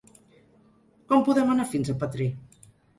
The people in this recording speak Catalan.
Com podem anar fins a Petrer?